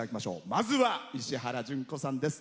まずは石原詢子さんです。